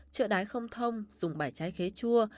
chữa đáy không thông dùng bảy trái khế chua